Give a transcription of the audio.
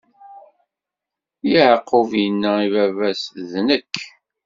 Yeɛqub inna i baba-s: D nekk!